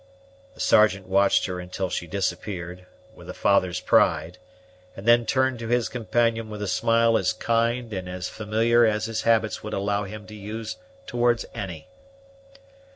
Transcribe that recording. The Sergeant watched her until she disappeared, with a father's pride, and then turned to his companion with a smile as kind and as familiar as his habits would allow him to use towards any.